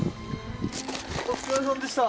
お疲れさまでした。